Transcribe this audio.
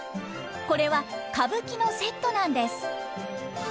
これは歌舞伎のセットなんです。